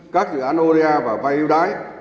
các dự án oda và vay ưu đãi